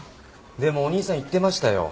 でもお兄さん言ってましたよ。